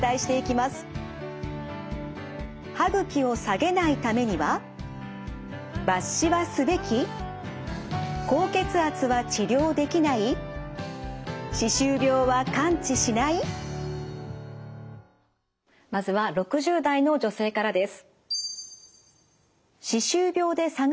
まずは６０代の女性からです。